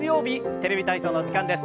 「テレビ体操」の時間です。